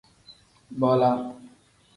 Bola.